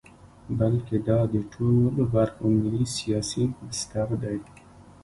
بلکې دا د ټولو برخو ملي سیاسي بستر دی.